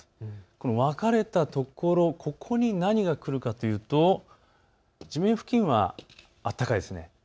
この分かれたところ、ここに何が来るかというと地面付近は暖かいですね。